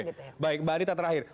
oke baik mbak adita terakhir